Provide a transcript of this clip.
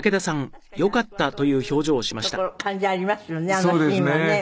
あのシーンはね。